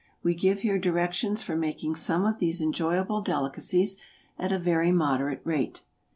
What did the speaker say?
We give here directions for making some of these enjoyable delicacies at a very moderate rate.